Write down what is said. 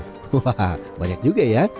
wah banyak juga ya